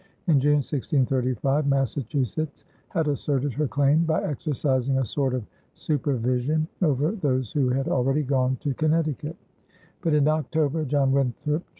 In June, 1635, Massachusetts had asserted her claim by exercising a sort of supervision over those who had already gone to Connecticut; but in October John Winthrop, Jr.